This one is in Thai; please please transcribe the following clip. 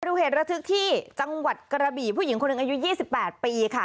เหตุระทึกที่จังหวัดกระบี่ผู้หญิงคนหนึ่งอายุ๒๘ปีค่ะ